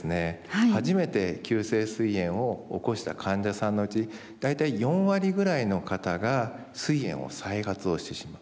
初めて急性すい炎を起こした患者さんのうち大体４割ぐらいの方がすい炎を再発をしてしまう。